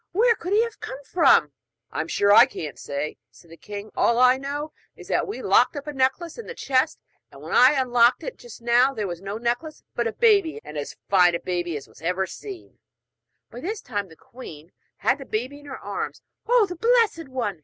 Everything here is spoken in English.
Where could he have come from?' 'I'm sure I can't say,' said the king; 'all I know is that we locked up a necklace in the chest, and when I unlocked it just now there was no necklace, but a baby, and as fine a baby as ever was seen.' By this time the queen had the baby in her arms. 'Oh, the blessed one!'